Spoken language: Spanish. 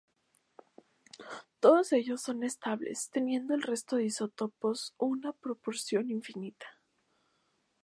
Todos ellos son estables teniendo el resto de isótopos una proporción ínfima.